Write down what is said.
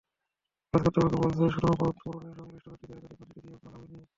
College কর্তৃপক্ষ বলছে, শূন্যপদ পূরণে সংশ্লিষ্ট ব্যক্তিদের একাধিকবার চিঠি দিয়েও কোনো লাভ হয়নি।